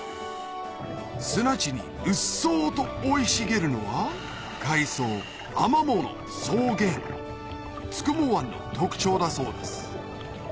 砂地にうっそうと生い茂るのは海草アマモの草原九十九湾の特徴だそうです